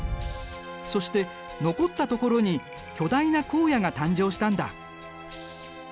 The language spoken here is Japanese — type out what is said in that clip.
そして残った所に巨大な荒野が誕生したんだ。